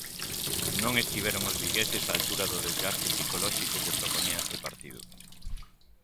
Non estiveron os vigueses á altura do desgaste psicolóxico que propoñía este partido.